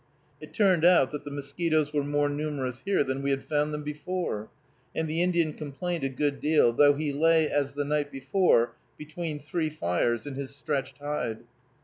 It turned out that the mosquitoes were more numerous here than we had found them before, and the Indian complained a good deal, though he lay, as the night before, between three fires and his stretched hide.